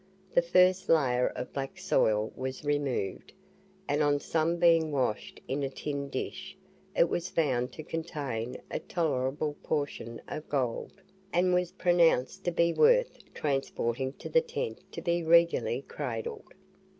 The first layer of black soil was removed, and on some being washed in a tin dish, it was found to contain a tolerable portion of gold, and was pronounced to be worth transporting to the tent to be regularly cradled.